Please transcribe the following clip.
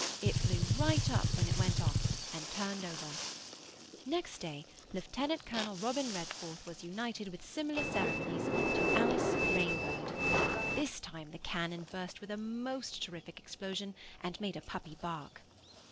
It flew right up when it went off, and turned over. Next day, Lieut. Col. Robin Redforth was united, with similar ceremonies, to Alice Rainbird. This time the cannon burst with a most terrific explosion, and made a puppy bark.